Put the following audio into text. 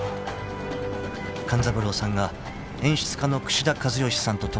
［勘三郎さんが演出家の串田和美さんと共につくり上げ